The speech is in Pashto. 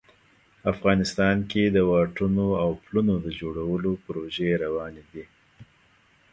افغانستان کې د واټونو او پلونو د جوړولو پروژې روانې دي